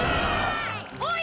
おい！